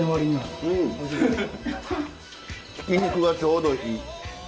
ひき肉がちょうどいい。